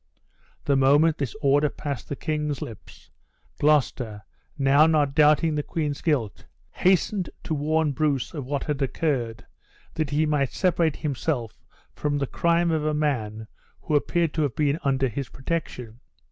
The moment this order passed the king's lips, Gloucester, now not doubting the queen's guilt, hastened to warn Bruce of what had occurred, that he might separate himself from the crime of a man who appeared to have been under his protection.